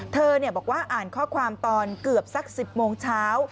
เธอบอกว่าอ่านข้อความตอนเกือบสัก๑๐โมงเช้า